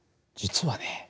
実はね